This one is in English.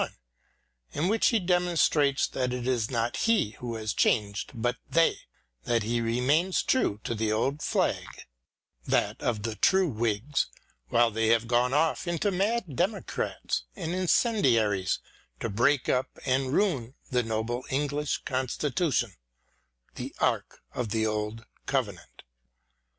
EDMUND BURKE 63 1791, in which he demonstrates that it is not he who has changed, but they : that he remains true to the old flag — ^that of the true Whigs — ^while they have gone off into mad democrats and incendiaries to break up and ruin the noble English Constitution, the Ark of the Old Covenant.